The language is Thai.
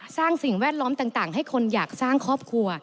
สิ่งแวดล้อมต่างให้คนอยากสร้างครอบครัว